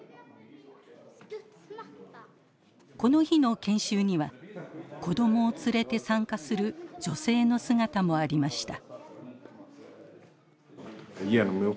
この日の研修には子どもを連れて参加する女性の姿もありました。